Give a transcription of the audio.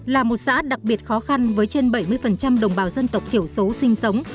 là một xã đặc biệt khó khăn với trên bảy mươi đồng bào dân tộc thiểu số sinh sống